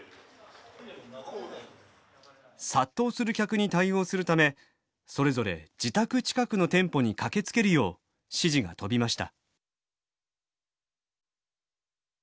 殺到する客に対応するためそれぞれ自宅近くの店舗に駆けつけるよう指示が飛びました。